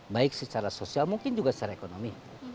baik secara sosial mungkin juga secara ekonomi